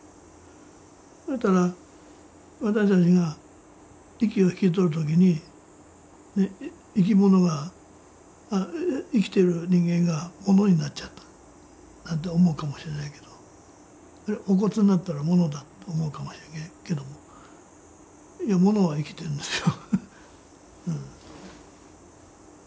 そしたら私たちが息を引き取るときに生き物が生きてる人間が物になっちゃったなんて思うかもしれないけどあるいはお骨になったら物だと思うかもしれないけどもいや物は生きてんですよ。